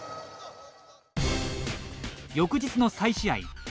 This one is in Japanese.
翌日の再試合。